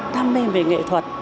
đam mê về nghệ thuật